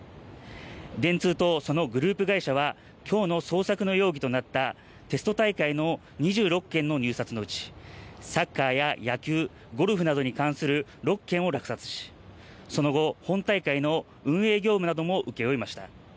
電通とそのグループ会社はきょうの捜索の容疑となったテスト大会の２６件の入札のうちサッカーや野球、ゴルフなどに関する６件を落札しその後、本大会の運営業務なども請け負いました。